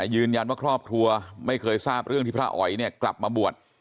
ยืนยันว่าครอบครัวไม่เคยทราบเรื่องที่พระอ๋อยเนี่ยกลับมาบวช